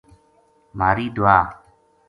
مھاری دُعا